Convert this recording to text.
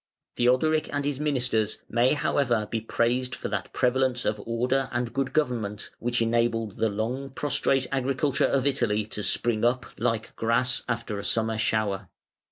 Theodoric and his ministers may however be praised for that prevalence of order and good government, which enabled the long prostrate agriculture of Italy to spring up like grass after a summer shower.